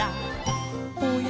「おや？